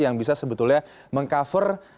yang bisa sebetulnya meng cover